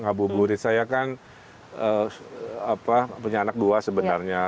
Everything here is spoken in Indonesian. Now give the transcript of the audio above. ngabuburit saya kan punya anak dua sebenarnya